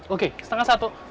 oke setengah satu